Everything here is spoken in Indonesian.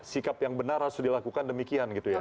sikap yang benar harus dilakukan demikian gitu ya